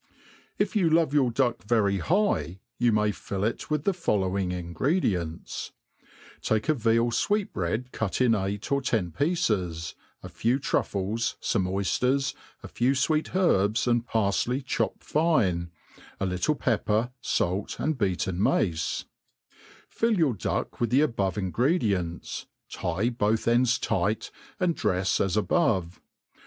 If you love G 2 your 84 THE ART OF COOKERY I your duck very high, you may fill it with the following irigr^ * dients : take a veal fweetbread cut in eight or ten pieces, a few truffles, feme oyfters, a few fweet herbs and parfley chopped fine, a little pepper, fait, and beaten mace ; fill your duck with .the above ingredients, tie both ends tight, and drefs as above.